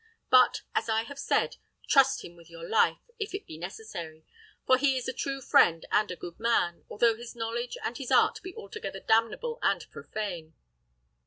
But, as I have said, trust him with your life, if it be necessary; for he is a true friend and a good man, although his knowledge and his art be altogether damnable and profane."